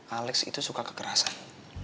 alex itu suka kekerasan